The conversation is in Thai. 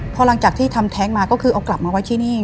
พอหลังจากที่ทำแท้งมาก็คือเอากลับมาไว้ที่นี่